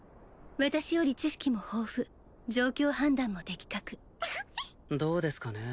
私より知識も豊富状況判断も的確どうですかね